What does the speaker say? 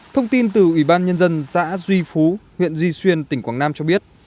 thông tin từ ủy ban nhân dân xã duy phú huyện duy xuyên tỉnh quảng nam cho biết